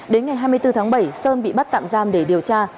đến ngày hai mươi bốn tháng bảy sơn bị bắt tạm giam để điều tra